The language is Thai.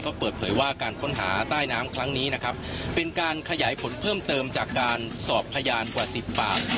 ก็เปิดเผยว่าการค้นหาใต้น้ำครั้งนี้นะครับเป็นการขยายผลเพิ่มเติมจากการสอบพยานกว่าสิบปาก